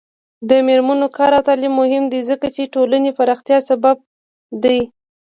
د میرمنو کار او تعلیم مهم دی ځکه چې ټولنې پراختیا سبب دی.